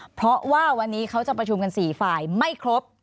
เพราะว่าวันนี้เขาจะประชุมกัน๔ฝ่ายไม่ครบ